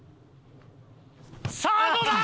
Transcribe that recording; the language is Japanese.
さあどうだ？